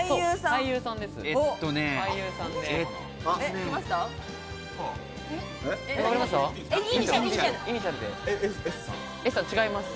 俳優さんです。